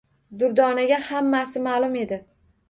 Durdonaga hammasi ma`lum edi